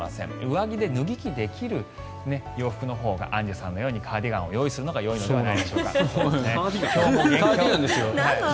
上着で脱ぎ着できる洋服のほうがアンジュさんのようにカーディガンを用意するのがカーディガンですよ。